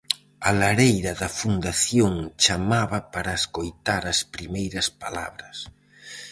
A lareira da fundación chamaba para escoitar as primeiras palabras.